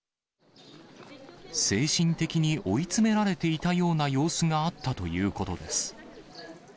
精神的に追い詰められていたような様子があったということです。